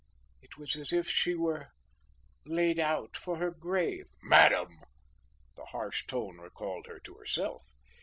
It was as if she were laid out for her grave " "Madam!" The harsh tone recalled her to herself.